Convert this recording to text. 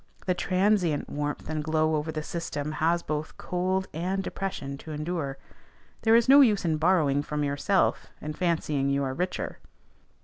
The transient warmth and glow over the system has both cold and depression to endure. There is no use in borrowing from yourself, and fancying you are richer.